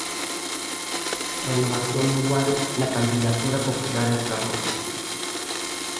Renovación igual na candidatura popular en Ferrol.